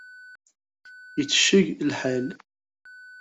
Itecceg lḥal.